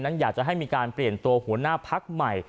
อยากจะให้มีการเปลี่ยนตัวหัวหน้าพักใหม่